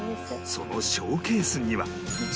そのショーケースには